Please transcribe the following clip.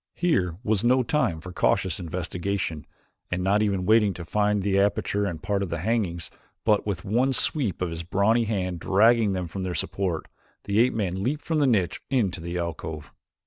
Here was no time for cautious investigation and, not even waiting to find the aperture and part the hangings, but with one sweep of a brawny hand dragging them from their support, the ape man leaped from the niche into the alcove.